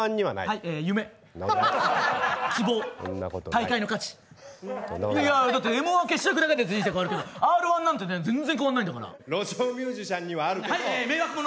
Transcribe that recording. はい夢そんなことない希望そんなことない大会の価値いやだってＭ−１決勝いくだけで人生変わるけどＲ−１なんてね全然変わんないんだから路上ミュージシャンにはあるけどはい迷惑者